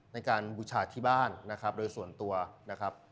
บูชาที่บ้านนะครับโดยส่วนตัวนะครับ